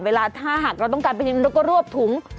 เวลาถ้าหากเราต้องการเป็นยังไงเราก็รวบถุง